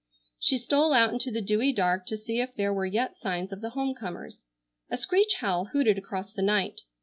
She stole out into the dewy dark to see if there were yet signs of the home comers. A screech owl hooted across the night.